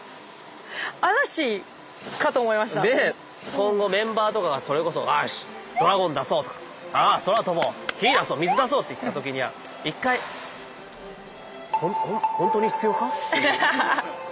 今後メンバーとかがそれこそ「ドラゴン出そう」とか「空飛ぼう」「火出そう」「水出そう」って言った時には一回ハハハハハッ。